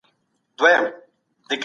ښه ذهنیت انرژي نه ځنډوي.